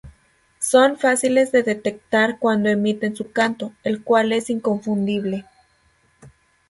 Son fáciles de detectar cuando emiten su canto, el cual es inconfundible.